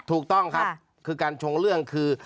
ถูกต้องครับคือการชงเรื่องคือ